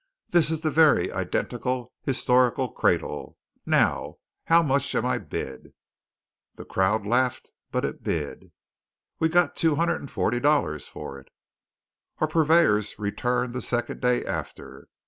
This is the very identical historical cradle! Now, how much am I bid!" The crowd laughed but it bid! We got two hundred and forty dollars for it. Our purveyors returned the second day after.